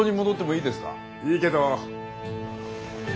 いいけど。